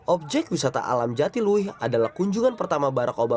objek wisata alam jatilui adalah kunjungan pertama barack obama